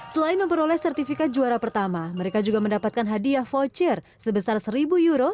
selain memperoleh sertifikat juara pertama mereka juga mendapatkan hadiah voucher sebesar seribu euro